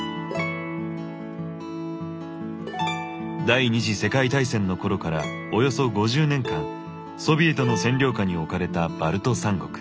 第２次世界大戦の頃からおよそ５０年間ソビエトの占領下に置かれたバルト三国。